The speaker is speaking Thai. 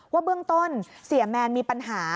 ว่าเบื้องต้นเสียแมนมีปัญหา